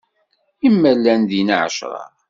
i ma llan dinna ɛecṛa?